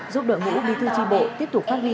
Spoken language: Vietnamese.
giúp đội ngũ bí thư tri bộ tiếp tục phát huy